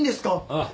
ああ。